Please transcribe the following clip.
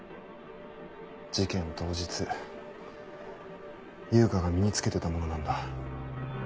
事件当日悠香が身に着けてたものなんだ。